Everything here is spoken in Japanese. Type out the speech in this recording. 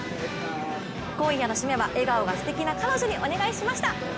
今夜の締めは笑顔がすてきな彼女にお願いしました。